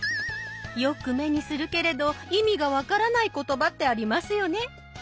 よく目にするけれど意味が分からない言葉ってありますよね？